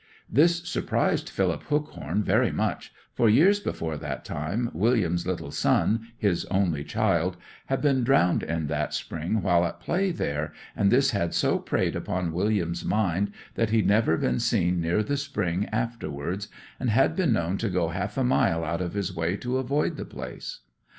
This surprised Philip Hookhorn very much, for years before that time William's little son—his only child—had been drowned in that spring while at play there, and this had so preyed upon William's mind that he'd never been seen near the spring afterwards, and had been known to go half a mile out of his way to avoid the place.